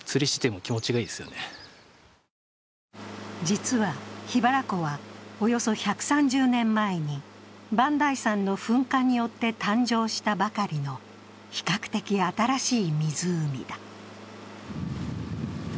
実は、桧原湖はおよそ１３０年前に磐梯山の噴火によって誕生したばかりの比較的新しい湖だ。